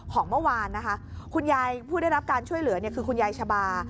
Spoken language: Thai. ของเมื่อวานนะคะคุณยายผู้ได้รับการช่วยเหลือคือคุณยายชะบา